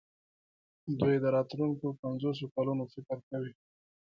دوی د راتلونکو پنځوسو کلونو فکر کوي.